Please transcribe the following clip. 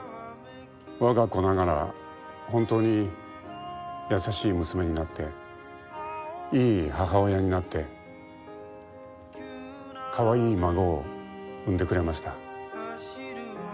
わが子ながら本当に優しい娘になっていい母親になってカワイイ孫を産んでくれました。